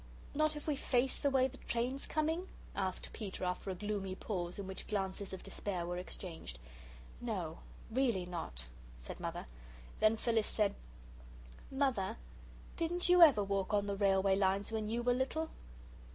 "Not if we face the way the train's coming?" asked Peter, after a gloomy pause, in which glances of despair were exchanged. "No really not," said Mother. Then Phyllis said, "Mother, didn't YOU ever walk on the railway lines when you were little?"